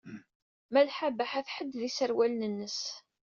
Malḥa Baḥa tḥedded iserwalen-nnes.